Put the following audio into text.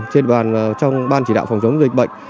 trên trong ban chỉ đạo phòng chống dịch bệnh